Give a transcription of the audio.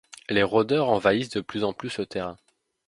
Les rôdeurs envahissent de plus en plus le terrain.